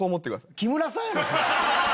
木村さんやろそれ！